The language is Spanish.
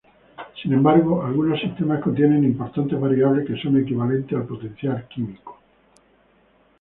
Sin embargo, algunos sistemas contienen importantes variables que son equivalentes al potencial químico.